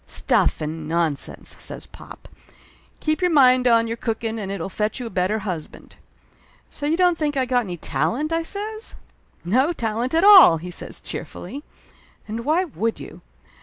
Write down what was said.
"Stuff and nonsense !" says pop. "Keep your mind on your cooking and it'll fetch you a better husband !" "So you don't think I got any talent ?" I says. "No talent at all!" he says cheerfully. "And why would you?